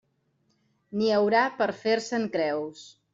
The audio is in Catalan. N'hi haurà per fer-se'n creus.